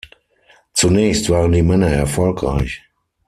Zunächst waren die Männer erfolgreich.